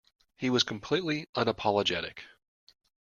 He was completely unapologetic.